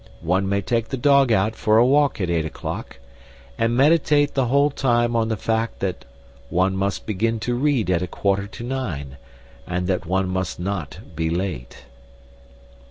One may take the dog out for a walk at eight o'clock, and meditate the whole time on the fact that one must begin to read at a quarter to nine, and that one must not be late.